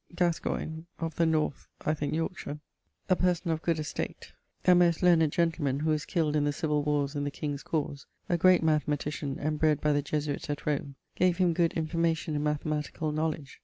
... Gascoigne (of the North, I thinke Yorkeshire), a person of good estate, a most learned gentleman, who was killed in the civill warres in the king's cause, a great mathematician, and bred by the Jesuites at Rome, gave him good information in mathematicall knowledge.